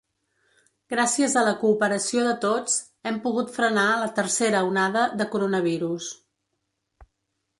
“Gràcies a la cooperació de tots, hem pogut frenar” la tercera onada de coronavirus.